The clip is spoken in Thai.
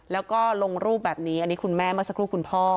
แล้วก็ลงรูปแบบนี้อันนี้คุณแม่เมื่อสักครู่คุณพ่อ